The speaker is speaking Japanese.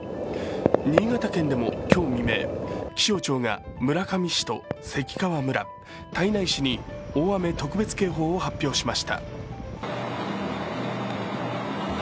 新潟県でも今日未明、気象庁が村上市と関川村、胎内市に大雨特別警報を発表しました。